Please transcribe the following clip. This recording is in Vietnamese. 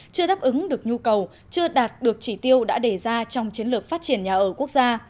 chưa đáp ứng được nhu cầu chưa đạt được chỉ tiêu đã đề ra trong chiến lược phát triển nhà ở quốc gia